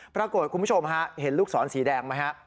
คุณผู้ชมฮะเห็นลูกศรสีแดงไหมฮะ